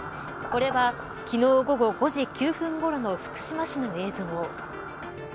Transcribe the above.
これは昨日午後５時９分ごろの福島市の映像。